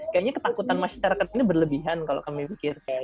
kayaknya ketakutan masker ini berlebihan kalau kita lihat